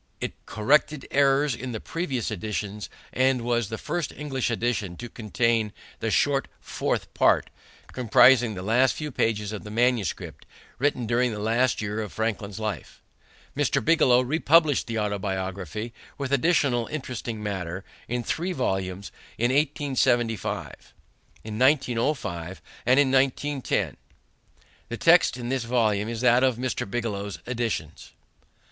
It corrected errors in the previous editions and was the first English edition to contain the short fourth part, comprising the last few pages of the manuscript, written during the last year of Franklin's life. Mr. Bigelow republished the Autobiography, with additional interesting matter, in three volumes in 1875, in 1905, and in 1910. The text in this volume is that of Mr. Bigelow's editions.